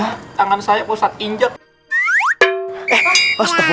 tangan saya pak ustaz injak